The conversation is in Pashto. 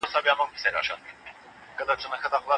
سیاه دانه د هرې ناروغۍ لپاره د شفا او درملنې په نوم یادیږي.